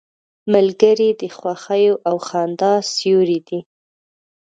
ملګری د خوښیو او خندا سیوری دی